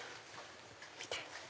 見て！